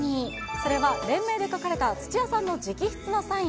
それは、連名で書かれた土屋さんの直筆のサイン。